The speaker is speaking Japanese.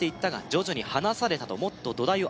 「徐々に離された」と「もっと土台を」